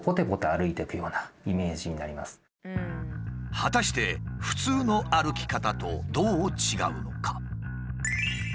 果たして普通の歩き方とどう違うのか？